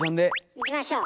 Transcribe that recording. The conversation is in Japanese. いきましょう。